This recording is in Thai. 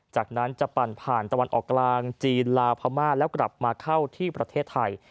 จากนั้นจะปั่นผ่านตะวันออกกลางจีนลาวพม่าแล้วกลับมาเข้าที่ประเทศไทย